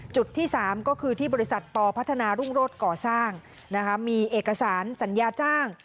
จุดที่๓ก็คือที่บริษัทปพัฒนารุ่งโรศก่อสร้างมีเอกสารสัญญาจ้าง